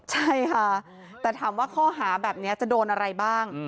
ใช่ค่ะแต่ถามว่าข้อหาแบบนี้จะโดนอะไรบ้าง